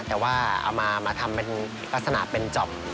แต่ว่าเอามาทำเป็นลักษณะเป็นจอบ